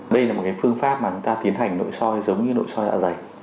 đây là một phương pháp mà chúng ta tiến hành nội soi giống như nội soi dạ dày